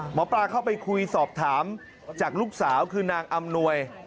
หมอปลาเข้าไปคุยสอบถามจากลูกสาวคือนางอำนวย